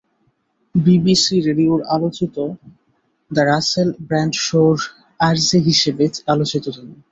BBC রেডিওর আলোচিত the Russell Brand শোর আরজে হিসেবে আলোচিত তিনি।